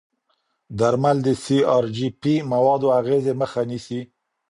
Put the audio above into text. درمل د سی ار جي پي موادو اغېزې مخه نیسي.